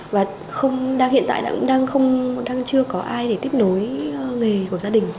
và hiện tại cũng đang chưa có ai để tiếp nối nghề của gia đình